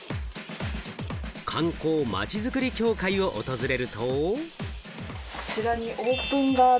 観光まちづくり協会を訪れると。